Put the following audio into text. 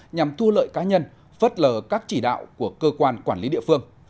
nhằm thua lợi cá nhân vớt lờ các chỉ đạo của cơ quan quản lý địa phương